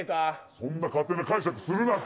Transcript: そんな勝手な解釈するなって。